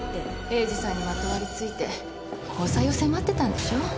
栄治さんにまとわりついて交際を迫ってたんでしょう？